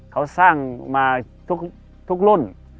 เขาสร้างมาทุกรุ่น